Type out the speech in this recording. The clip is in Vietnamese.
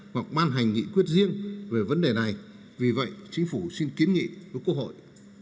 hoặc ban hành nghị quyết riêng về vấn đề này vì vậy chính phủ xin kiến nghị với quốc hội